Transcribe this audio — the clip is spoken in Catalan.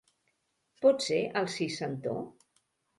Potser el sis-centó?